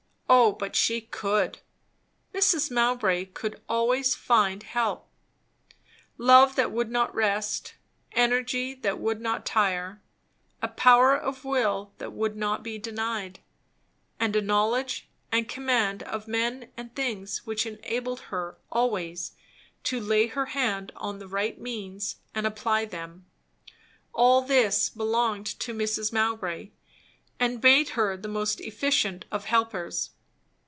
O but she could! Mrs. Mowbray could always find help. Love that would not rest, energy that would not tire, a power of will that would not be denied, and a knowledge and command of men and things which enabled her always to lay her hand on the right means and apply them; all this belonged to Mrs. Mowbray, and made her the most efficient of helpers.